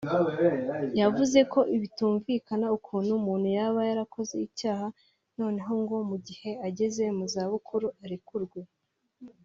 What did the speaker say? yavuze ko bitumvikana ukuntu umuntu yaba yarakoze icyaha noneho ngo mu gihe ageze mu zabukuru arekurwe